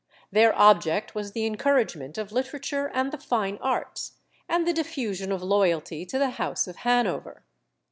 Their object was the encouragement of literature and the fine arts, and the diffusion of loyalty to the House of Hanover.